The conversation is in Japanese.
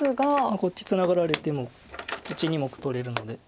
こっちツナがられてもこっち２目取れるので。